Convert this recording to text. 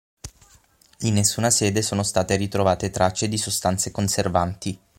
In nessuna sede sono state ritrovate tracce di sostanze conservanti.